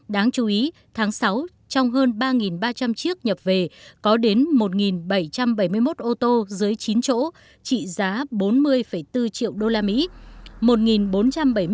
đáng chú ý tháng sáu trong hơn ba ba trăm linh chiếc nhập về có đến một bảy trăm bảy mươi một ô tô dưới chín chỗ trị giá bốn mươi bốn triệu đô la mỹ